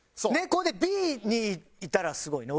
これでＢにいたらすごいね。